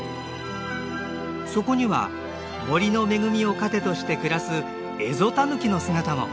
そこには森の恵みを糧として暮らすエゾタヌキの姿も。